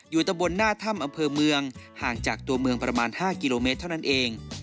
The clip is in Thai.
ตะบนหน้าถ้ำอำเภอเมืองห่างจากตัวเมืองประมาณ๕กิโลเมตรเท่านั้นเอง